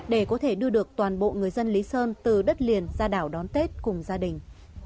để có thể đưa được toàn bộ người dân lý sơn từ đất liền ra đảo đón tết cùng gia đình